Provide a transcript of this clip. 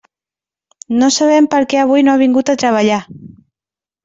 No sabem per què avui no ha vingut a treballar.